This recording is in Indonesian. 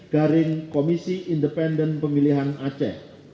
garing komisi independen pemilihan aceh